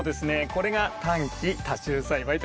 これが短期多収栽培といいます。